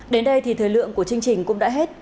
đến đây thì thời lượng của chương trình cũng đã hết